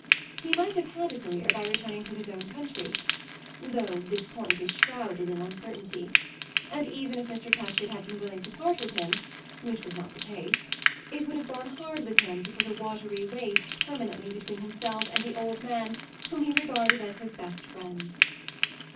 He might have had a career by returning to his own country (though this point is shrouded in uncertainty) and even if Mr. Touchett had been willing to part with him (which was not the case) it would have gone hard with him to put a watery waste permanently between himself and the old man whom he regarded as his best friend.